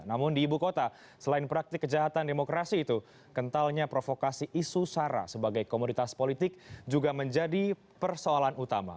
namun di ibu kota selain praktik kejahatan demokrasi itu kentalnya provokasi isu sara sebagai komoditas politik juga menjadi persoalan utama